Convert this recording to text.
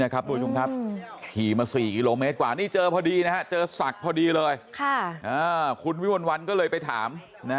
คุณวิวันวันก็เลยไปถาม